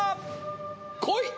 来い！